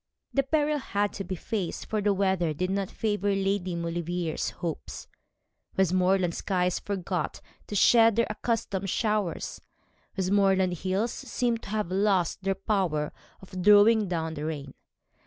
The peril had to be faced, for the weather did not favour Lady Maulevrier's hopes. Westmoreland skies forgot to shed their accustomed showers. Westmoreland hills seemed to have lost their power of drawing down the rain.